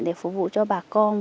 để phục vụ cho bà con